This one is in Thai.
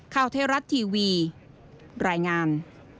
ข้าวเทศรัตน์ทีวีรายงาน